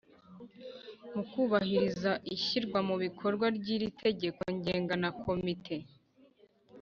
Mu kubahiriza ishyirwa mu bikorwa ry iri tegeko ngenga na komite